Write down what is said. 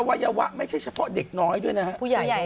วัยวะไม่ใช่เฉพาะเด็กน้อยด้วยนะครับ